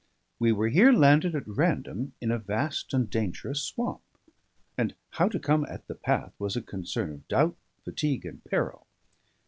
We were here landed at random in a vast and dangerous swamp; and how to come at the path was a concern of doubt, fatigue, and peril.